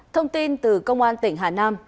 thông tin từ công an tỉnh hà nam